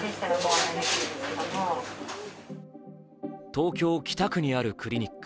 東京・北区にあるクリニック。